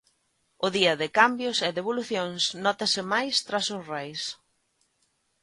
O día de cambios e devolucións nótase máis tras os Reis.